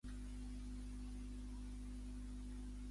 A més d'això, ambdós grups faran cap apel·lació en nom propi?